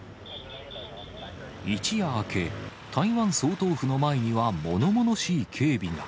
一夜明け、台湾総統府の前には、ものものしい警備が。